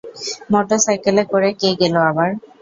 মোটরসাইকেলে করে কে গেল আবার?